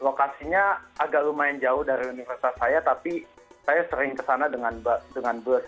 lokasinya agak lumayan jauh dari universitas saya tapi saya sering kesana dengan bus